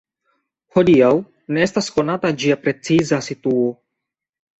Hodiaŭ ne estas konata ĝia preciza situo.